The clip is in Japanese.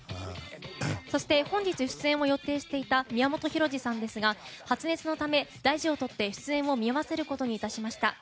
そして、本日出演を予定していた宮本浩次さんですが発熱のため大事をとって出演を見合わせることにいたしました。